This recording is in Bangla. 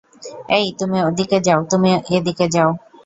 এই তুমি ওদিকে যাও তুমি এদিকে যাও।